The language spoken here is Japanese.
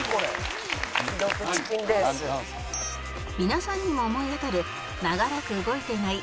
皆さんにも思い当たる長らく動いていない